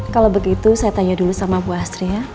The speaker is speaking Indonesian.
kalau begitu saya tanya dulu sama bu asri ya